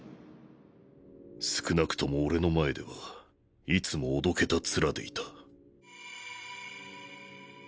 少なくとも俺の前ではいつもおどけた面でいた